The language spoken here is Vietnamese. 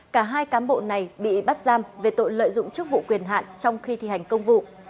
cả hai cán bộ này bị bắt giam về tội lợi dụng chức vụ quyền hạn trong khi thi hành công vụ